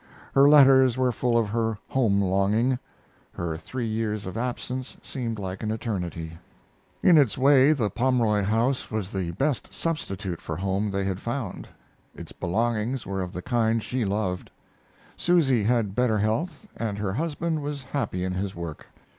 Her letters were full of her home longing; her three years of absence seemed like an eternity. In its way, the Pomroy house was the best substitute for home they had found. Its belongings were of the kind she loved. Susy had better health, and her husband was happy in his work.